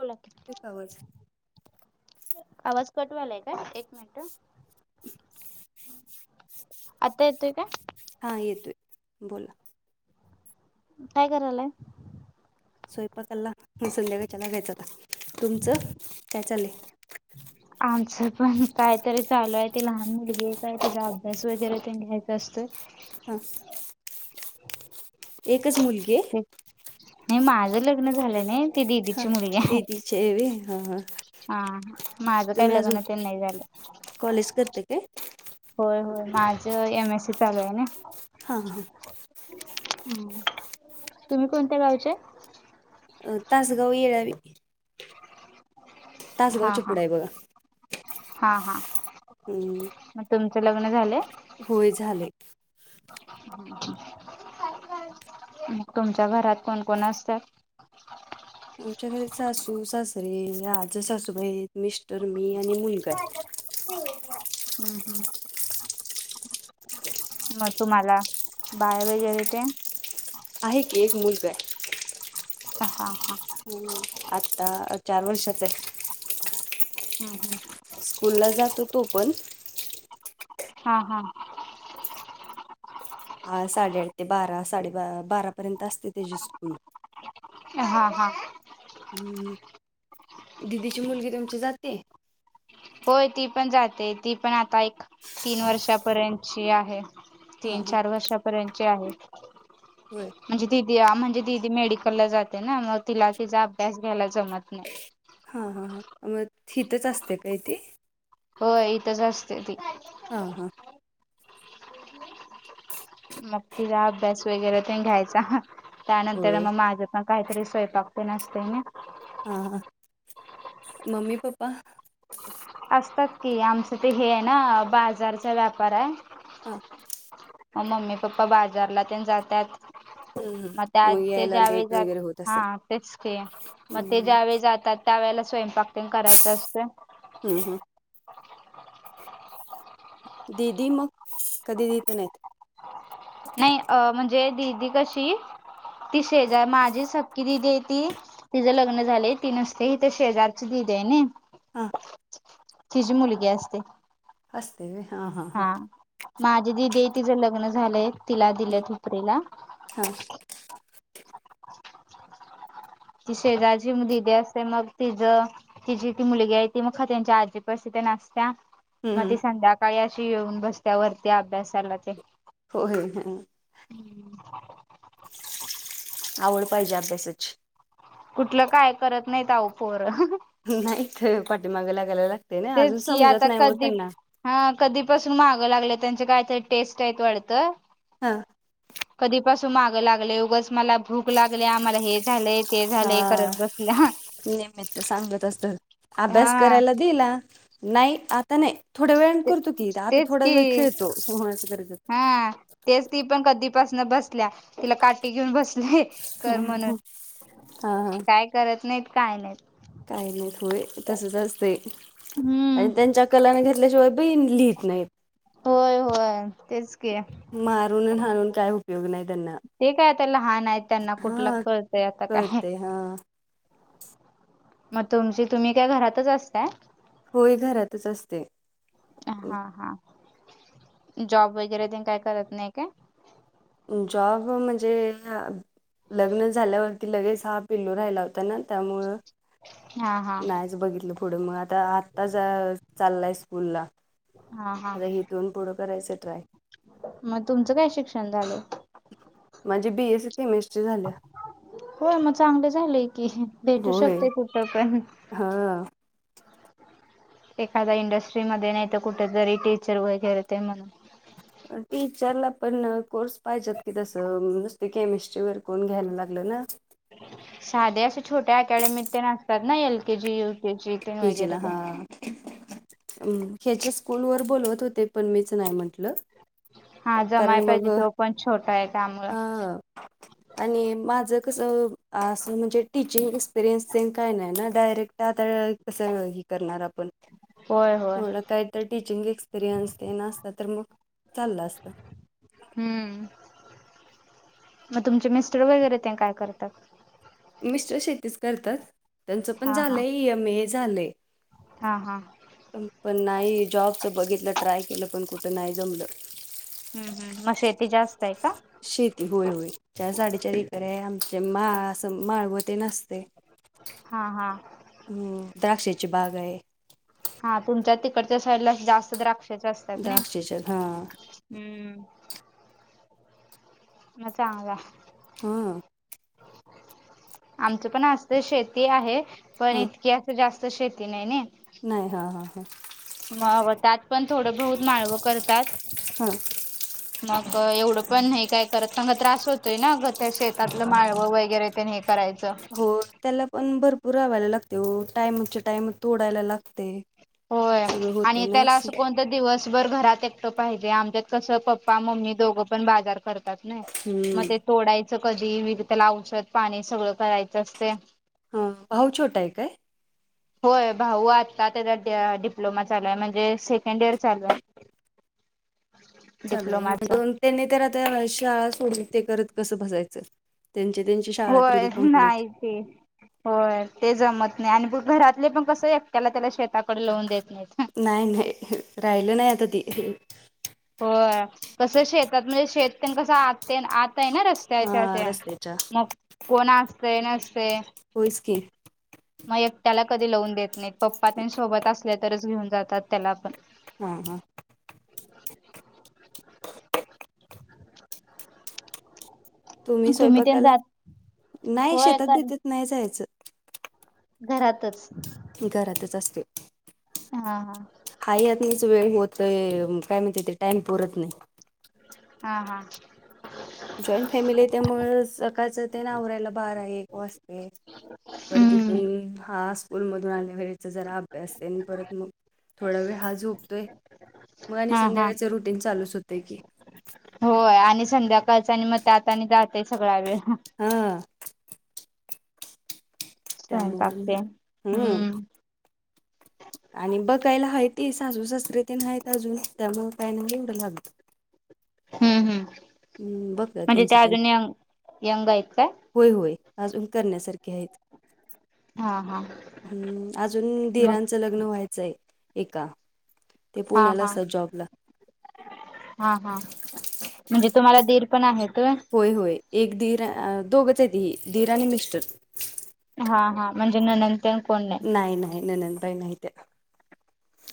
होला एक आवाज आवाज कटवायलाय काय? एक मिनिट [inaudible] आता येतोय काय? हा येतोय बोला काय करालाय? स्ोयंपाकाला सधकाच्याला घ्यायच का तुमचं काय चालय? आमचं पण कायतरी चालू आहे ते लहान मुलगी काय त्याचा अभ्यास वगैरे ते घ्यायचं असतोय. ह [inaudible] एकच मुलगी ये? नाही माझं लग्न झालं नाही. ती हा दिदीची मुलगी आहे. दीदीचे हाय होय हा हा हा माझ काही तुम्ही अजून लग्न ते नाही झालं. कॉलेज करते काय? होय होय माझं एम. एस. सी. चालू आहे ना हा हा तुम्ही कोणत्या गावच्या? तासगाव येळवी. हा तासगावच्या हा पुढा आहे बघा. हा हा ह मग तुमचं लग्न झालंय? होय झालय. तुमच्या घरात कोण कोण असतय? आमच्या घरी सासू, सासरे, आजं सासूबाई, मिस्टर, मी आणि मुलगा आहे. हो हम्म हम्म मग तुम्हाला बाळ वगैरे तेन? आहे की एक मुूलग आहे. ह हा हा आता चार वर्षाच आहे. हम् हम् स्कूल ला जात तो पण. हा हा ह साडेआठ ते बारा साडे बारा पर्यंत असते त्याची स्कूल. हा हा हम्म दिदीची मुलगी तुमची जाते? होय ती पण जाते ती पण आता एक तीन वर्षापर्यंतची आहे. हां तीन हां चार वर्षापर्यंतचे आहेत. होर म्हणजे दिदी म्हणजे दिीदी मेडिकलला जाते ना मग तिला तिचा अभ्यास घ्यायला जमत नाही हा हा ह मग हथच असते काय ती हो इथंच असते ती हां हां मग तिचा अभ्यास वगैरे ते घ्यायचा त्यानंतर होय. मग माझं काहीतरी स्वयंपाकते नसते ना हा ह म्मी पा्पा असतात की आमचं ते हे ना बाजारचा व्यापार आहे हा मम्मी पप्पा बाजारला ते जातात हो मग त्या ते ज्यावेेळेात असेल. हा तेच ते मग ते हम्म ज्यावेेळी जातात त्या वेळेला स्वयंपाक टंग करायचं असतं हम् हम ददी मग कधी देत नाहीत नाही अ म्हणजे दीदी कशी ती शेजार माझी सपकी दिदी ती तिझं लग्न झालंय तीन अससते हिथ शेजारच दिद आहे हा हिचीी मुलगी असते हस्ते व हा हां हा माझी दिदी आहे तिचं लग्न झालंय तिला दिलेतुपरीला हा ती शेजची दिीदी असते मग तिच ति जी ती मुलगी आहे ती मग ख त्यांच्या आजीपास त्या नासत्या हम्म हम्म मगध्ये संध्याकाळी अशी येऊन बसत वरती अभ्यासाला ते हो हो आवड पाहिजे अभ्यासाची कुठलं काय करत नाही उपोर नाहीत पाठीमागं लागायला लागते ना अजून तेच की समजत आता नाही म कधी त्यांना हा कधीपासून महागं लागलं त्यांचे कायतरी टेस्ट आहेत वाढतं हा कधीपसून माग लागलंय उगच मला भूक लागले आम्हाला हे झालंय ते झालंय हा करत बसल्या निमित सांगत असत अभ्यास हा करायला दिला नाही आता नाही थोड्या वेळ ते करतो की आता तेच थोडा की वेळ खेळतो सोहण्याच गरजचं हा तेच ती पण कधीपासन बसल्या तिला काठी घेऊन बसली तर म्हणून हा हा काय करत नाहीत काय नाहीत काही नाही य तसच असते हम्म आणि त्यांच्या कलाने घेतल्याशिवाय बा लिहित नाही होय होय तेच की मारून हणून काय उपयोग नाही त्यांना ते कायता लहान आहेत त्यांना कुठला हा कळतंय आता काय कळते हा मग तुमची तुम्ही काय घरातच असताय होय घरातच असते हा हा जॉब वगैरे ते काय करत नाही का जॉब म्हणजे लग्न झाल्यावरती लगेच हा पिल्लू राहिला होता ना त्यामुळ हा हा नाहीच बघितलं पुढं मग आता आ आ चाललाय स्कूल ला हा हा आता हे दोन पुढं करायचं ट्राय मग तुमं कायिक शषण झाले माझी बीएस केमिस्ट्री झाल्या होय मग चांगले झालेय की भेटू होय. शकते कुठं पण हा एखाद्या इंडस्ट्रीमध्येध्ये नाही तर कुठेतरी टीचर वगैरे ते म्हणून टीचरला पण कोर्स पाहिजात कि तसं नुसते केमिस्ट्रीवर कोण घ्यायला लागलं ना साधे असे छोट्या अकॅडमीत ते नासतात ना एल के जी के जी ते हीजला वगैरे ते हा म् ह्याच्या स्कूल वर बोलवत होते पण मीच नाही म्हंटलं हा जमाय कारण मग पाहिजे तो पण छोटा आहे कामुळ [inaudible] आणि माझं कसं असं म्हणजे टीचिंग एक्सपिरियन्स काही नाही ना डायरेक्ट आता कसं ह करणार आपण होय होय ढ कायत टीचिंग एक्सपिरियन्स ये न असत तर मग चाललं असत हम्म मग तुमचे मिस्टर वगैरे ते काय करतात मिस्टर शेतीच करतात त्यांचं पण हा हा झालंय एम ए झालंय हा हा पण नाही जॉबच बघितलं ट्राय केलं पण कुठं नाही जमलं हम् हम मग शेती जास्त आहे का शेती होय होय चार साडेचार एकर आहे आमचे माळ अस माळ व ते नसते हा हा हम् द्राक्षाची बाग आहे हा तुमच्या तिकडच्या शैरला जास्त द्राक्षाचे असतात ना द्राक्षाच्या हा हम्म म चांग हा आमचं पण असत शेती आहे पण ह इतकी अस जास्त शेती नाही नाही नाही हा हा हा म त्यात पण थोडं बहुत माळवं करतात हा मग एवढं पण नाही काय करत क का त्रास होतोय ना त्या शेतातलं माळवं वगैरे प हे करायचं हो त्याला पण भरपूर रावायला लागते हो टाइमचे टाइम तोडायला लागते होय सगळं होते आणि ना त्याला असं कोणत दिवसभर घरात एकटं पाहिजे आमच्यात कसं पप्पा मम्मी दोघं पण बाजार करत नाही मग हम्म ते तोडायचं कधी व त्याला औषध पाणी सगळं करायचं असते ह भाऊ छोटा आहे काय होय भाऊ आत्ता त्याचा डिप्लोमा चालू आहे म्हणजे सेकंड इयर चालू आहे [inaudible] लय द डिप्लोमाचा त्यांनी तर आता शाळा सोडून ते करत कसं बसाायचं त्यांचे त्यांची शाळा ती होय कंप्लीट नाही ते होय ते जमत नाही आणि बघ घरातले पण कसं एकट्याला त्याला शेताकडे लावून देत नाहीत. नाही नाही राहिलं नाही आता ती. होय कसं शेतात म्हणजे शेत कसं आत तेन आत आहे ना रस्त हा त्याच्यात ते रस्त्याच्या मग कोण असतय नसतय. होयच की. मग एकट्याला कधी लावून देत नाहीत पप्पा तेन सोबत असलं तरच घेऊन जातात त्याला पण. हां हां. [inaudible] [inaudible] [inaudible] तुम्ही तेन स्वयंपाकाला जात नाही होय शेतात कर देतेत नाही जायचं घरातच घरातच असते हां. हाय यातनच वेळ होतंय काय म्हणत्यात ते टाईम पुरत नाही. हां हां. जॉईंट फॅमिली आहे त्यामुळं सकाळच तेन आवरायला बारा एक वाजतंय परत ति हम्म तून हा स्कूल मधून आल्यावर याचा जरा अभ्यास तेन परत मग थोडा वेळ हा झोपतोय मग आणि हा हा संध्याकाळच रुटीन चालूच होतेय की. होय आणि संध्याकाळच आणि मग त्यात आणि जातंय सगळा वेळ. हां. त्यामुळ स्वयंपाक मग हे तेन. हम्म. आणि बघायला हायती सासू सासरे तेन हायत अजून त्यामुळे काही नाही एवढं लागत. हम्म हम्म बघतात म्हणजे ते त्यांचं तेन अजून यंग यंग आहेत काय? होय होय अजून करण्यासारखे आहेत. हा हा हम्म अजून मग धीरांचं लग्न व्हायचं आहे एका. ते हां पुण्याला हां असतात जॉबला हां हां. म्हणजे तुम्हाला दीर पण आहेत होय? होय होय एक दीर अ दोघच आहेती दीर आणि मिस्टर. हां हां म्हणजे नणंद तेन कोण नाही. नाही नाही ननंद बाई नाहीत्या.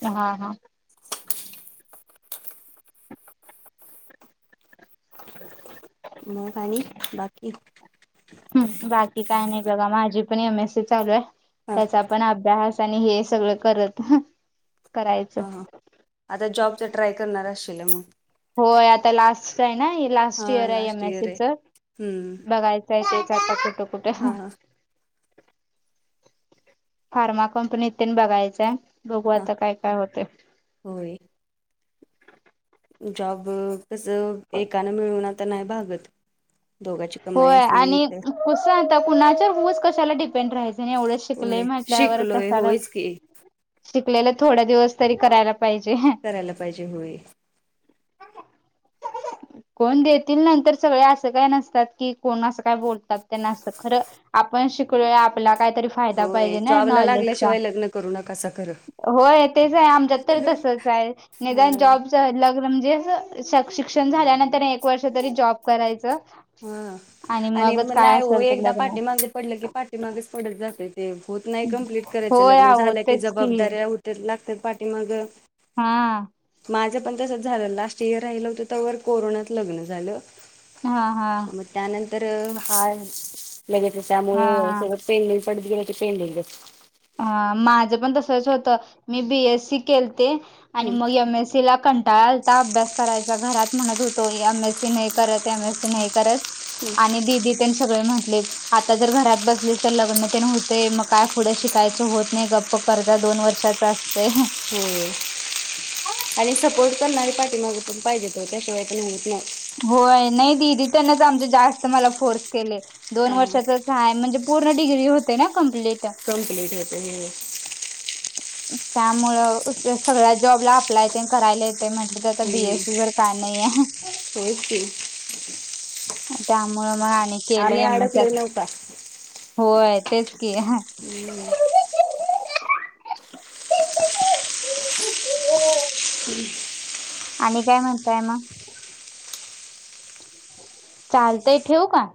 हां हां. मग आणि बाकी? बाकी काय नाही बघा माझी पण एम एस सी चालू आहे हा त्याचा पण अभ्यास आणि हे सगळं करत. करायचं. हां हां आता जॉबच ट्राय करणार असशीला मग. होय आता लास्टच आहे ना हे लास्ट हा इयर आहे या लास्ट इयर आहे एमएससीच हम्म बघायचं त्याचेच आता कुठं कुठं. हा हा फार्मा कंपनीत ते बघायचं आहे बघू हा आता काय काय होतंय. होय. जॉब कसं एकानं मिळवून आता नाही भागत. दोघाची कमाई होय असली आणि तर कुस आता कुणाच्या उगच कशाला डिपेंड राहायचं आणि एवढं शिकलेय म्हण ल्यावर कशाला तेच शिकलेल थोडे दिवस तरी करायला पाहिजे. करायला पाहिजे होय. कोण देतील नंतर सगळे असं काय नसतात. की कोण असं काय बोलतात त्यांना असं खर आपण शिकल आपल्याला काहीतरी फायदा होय पाहिजे ना जॉबला नॉलेजचा. लागल्याशिवाय लग्न करू नकासा करं होय तेच आहे आमच्यात तर तसच आहे निदान हा जॉब लग्न म्हणजे शिक्षण झाल्यानंतर एक वर्ष तरी जॉब करायचं हा आणि मगच मग काय नाही हो असेल ते एकदा लग्न पाटे मांजे पडलं की पाठीमागच पडत जाते ते होत नाही कं्प्लीट करायचं होय लग्न आहो झाल्या की तेच जबाबदाऱ्या लागत पाठी मग हा माझं पण तस झालं लास्ट इयर राहिलं होतं त्यावर कोरोनात लग्न झालं हा हा मग त्यानंतर हार लगेच त्यामुं हा सोत पेनलेल पडत गेलं क पेनले ह माझं पण तसंच होतं मी बीएससी केलते. आणि हम्म. मग एमएससी ला कंटाळा ता अभ्यास करायचा घरात म्हणत होतो एम एस सी नाही करत एम एस सी नाही करत आणि दीदी तेन सगळे म्हंटलीत आता जर घरात बसलीस तर लग्न तेन होतंय मग काय पुढ शि कायच होत नाही गप्प कर जा दोन वर्षाचा असतंय. हो आणि सपोर्ट करणारी पाठीमाग पण पाहिजेत ओ त्याशिवाय पण होत नाही. होय नाही दिदी त्यांनाच आमच्या जास्त मला फोर्स केले दोन हा. वर्षाच काय म्हणजे पूर्ण डिग्री होते ना कम्प्लीट कंप्लीट होते त्यामुळं सगळ्या जॉबला अप्लाय ते करायला ते म्हटलं तर आता बीएससी वर काय नाहीये होती त्यामुळे मग आणि केलं आम्ही एम अडकलोय एस नव का? होय तेच की हम्म आणि काय म्हणतय मग चालतंय ठेवू का